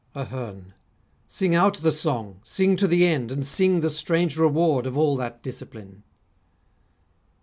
AHERNE Sing out the song; sing to the end, and sing The strange reward of all that discipline.